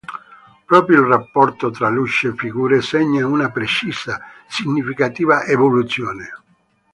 Proprio il rapporto tra luce e figure segna una precisa, significativa evoluzione.